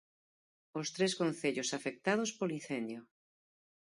Os tres concellos afectados polo incendio.